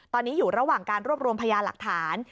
ตอนนี้อยู่ระหว่างการรวบรวมพยาหลักฐาน